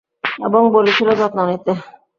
এবং বলেছিল যত্ন নিতে।